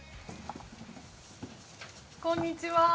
こんにちは。